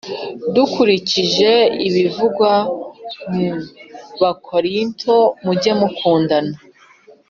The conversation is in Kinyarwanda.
Dukurikije ibivugwa mu Abakorinto mujye mukundana